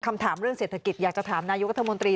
คำถามเรื่องเศรษฐกิจอยากจะถามนายกรัฐมนตรี